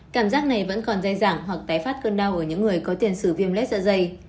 cảm giác này vẫn còn dây dẳng hoặc tái phát cơn đau ở những người có tiền sử viêm lết dạ dày